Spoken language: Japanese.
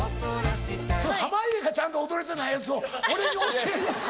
濱家がちゃんと踊れてないやつを俺に教えるのか。